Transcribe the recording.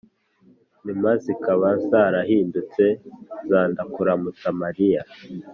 nyuma zikaba zarahindutse za “ndakuramutsa mariya”